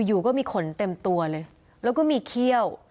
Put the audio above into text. อยู่ก็มีขนเต็มตัวเลยแล้วก็มีเขี้ยว